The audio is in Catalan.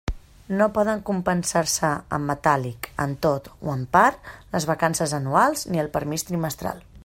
No poden compensar-se en metàl·lic, en tot o en part, les vacances anuals ni el permís trimestral.